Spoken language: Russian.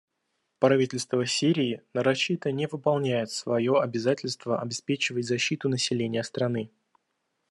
Правительство Сирии нарочито не выполняет свое обязательство обеспечивать защиту населения страны.